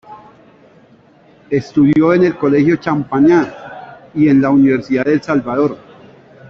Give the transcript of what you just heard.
Estudió en el Colegio Champagnat, y en la Universidad del Salvador.